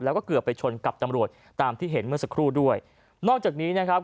แล้วก็เกือบไปชนกับตำรวจตามที่เห็นเมื่อสักครู่ด้วยนอกจากนี้นะครับ